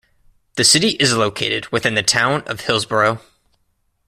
The city is located within the Town of Hillsboro.